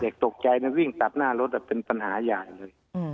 เด็กตกใจน่ะวิ่งตัดหน้ารถอ่ะเป็นปัญหาใหญ่เลยอืม